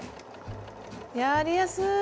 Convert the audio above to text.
やりやすい！